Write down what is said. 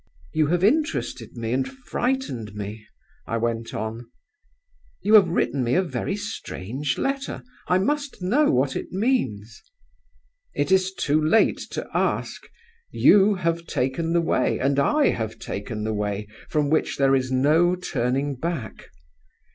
"'You have interested me, and frightened me,' I went on. 'You have written me a very strange letter. I must know what it means.' "'It is too late to ask. You have taken the way, and I have taken the way, from which there is no turning back.